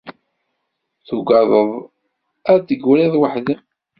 tuggadeḍ ad d-tegriḍ waḥd-m.